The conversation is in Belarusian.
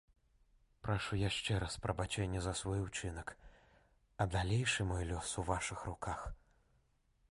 Прашу яшчэ раз прабачэння за свой учынак, а далейшы мой лёс у вашых руках.